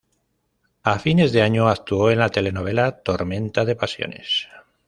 A fines de año actuó en la telenovela "Tormenta de pasiones".